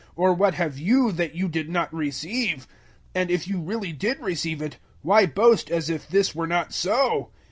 Or what have you that you did not receive? And if you really did receive it, why boast as if this were not so?